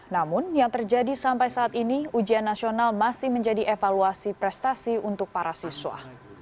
namun yang terjadi sampai saat ini ujian nasional masih menjadi evaluasi prestasi untuk para siswa